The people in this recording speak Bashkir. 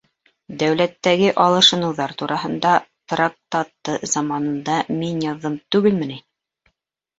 Дәүләттәге алышыныуҙар тураһында трактатты заманында мин яҙҙым түгел мени?